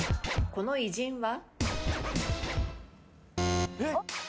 この偉人は？